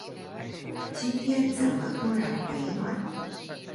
今天怎麼突然回暖